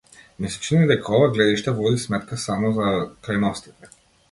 Ми се чини дека ова гледиште води сметка само за крајностите.